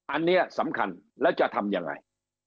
อันนี้สำคัญแล้วจะทำยังไง